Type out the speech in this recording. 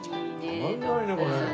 たまんないねこれ。